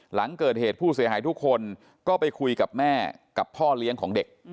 หลังเกิดเหตุผู้เสียหายทุกคนก็ไปคุยกับแม่กับพ่อเลี้ยงของเด็ก